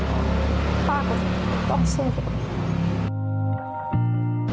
อยากให้ลูกฟ้าของต้องสงหลัก